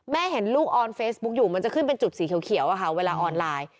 เห็นลูกออนเฟซบุ๊คอยู่มันจะขึ้นเป็นจุดสีเขียวอะค่ะเวลาออนไลน์